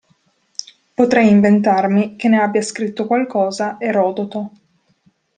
Potrei inventarmi che ne abbia scritto qualcosa Erodoto.